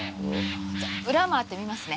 じゃ裏回ってみますね。